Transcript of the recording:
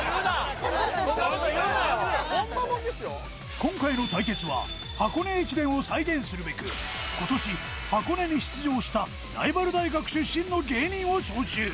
今回の対決は箱根駅伝を再現するべく今年箱根に出場したライバル大学出身の芸人を招集